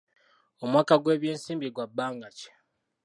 Omwaka gw'ebyensimbi gwa bbanga ki?